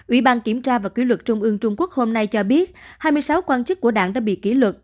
ủy ban kiểm tra và ký luật trung ương trung quốc hôm nay cho biết hai mươi sáu quan chức của đảng đã bị kỷ luật